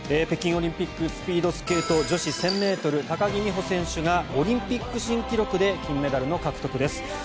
北京オリンピックスピードスケート女子１０００ｍ高木美帆選手がオリンピック新記録で金メダルの獲得です。